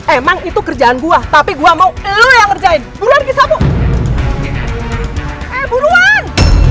emang itu kerjaan gua tapi gua mau lu yang kerjain bulan kisahmu eh buruan